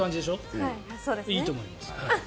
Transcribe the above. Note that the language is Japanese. いいと思います。